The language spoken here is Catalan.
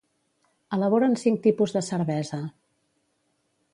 Elaboren cinc tipus de cervesa: